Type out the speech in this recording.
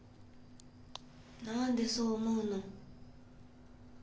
何でそう思うの？